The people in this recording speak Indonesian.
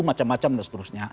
macam macam dan seterusnya